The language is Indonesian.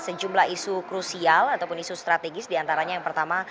sejumlah isu krusial ataupun isu strategis diantaranya yang pertama